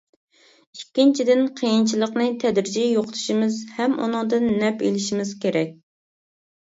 ئىككىنچىدىن، قىيىنچىلىقنى تەدرىجىي يوقىتىشىمىز ھەم ئۇنىڭدىن نەپ ئېلىشىمىز كېرەك.